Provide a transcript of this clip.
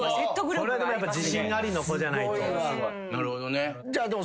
これはでもやっぱ自信ありの子じゃないと。